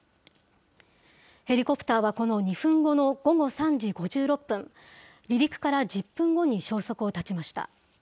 ヘリコプターはこの２分後の午後３時５６分、離陸から１０分後に消息を絶ちました。